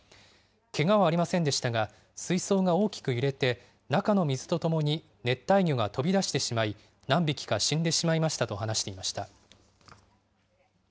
けがはありませんでしたが、水槽が大きく揺れて中の水とともに熱帯魚が飛び出してしまい、何匹か死んでしまいましたと話していました。